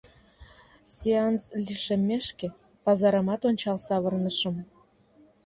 Сеанс лишеммешке, пазарымат ончал савырнышым.